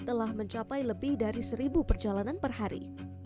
telah mencapai lebih dari seribu perjalanan per hari